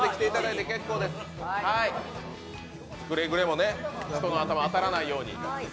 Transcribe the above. くれぐれも人の頭、当たらないように。